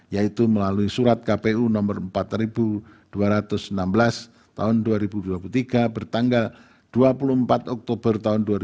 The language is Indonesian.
yaitu melalui surat kpu nomor empat dua ratus enam belas tahun dua ribu dua puluh tiga bertanggal dua puluh empat oktober dua ribu dua puluh